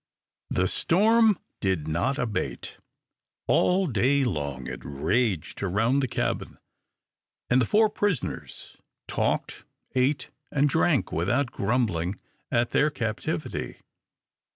The storm did not abate. All day long it raged around the cabin, and the four prisoners talked, ate, and drank without grumbling at their captivity.